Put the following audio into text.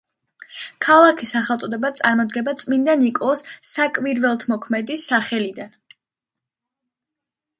ქალაქის სახელწოდება წარმოდგება წმინდა ნიკოლოზ საკვირველთმოქმედის სახელიდან.